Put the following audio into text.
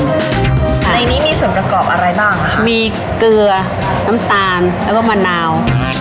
ในนี้มีส่วนประกอบอะไรบ้างคะมีเกลือน้ำตาลแล้วก็มะนาว